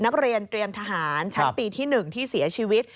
นักเรียนเตรียมทหารชั้นปีที่๑ที่เสียชีวิต